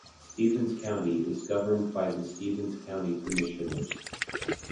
Stevens County is governed by the Stevens County Commissioners.